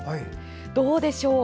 どうでしょう？